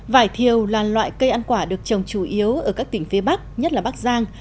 vải thiều là loại cây ăn quả được trồng chủ yếu ở các tỉnh phía bắc nhất là bắc giang